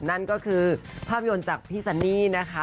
นั่นก็คือภาพยนตร์จากพี่ซันนี่นะคะ